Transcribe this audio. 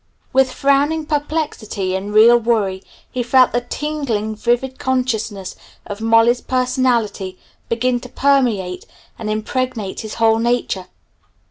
With frowning perplexity and real worry he felt the tingling, vivid consciousness of Molly's personality begin to permeate and impregnate his whole nature.